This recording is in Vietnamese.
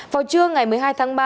vào trưa ngày một mươi hai tháng ba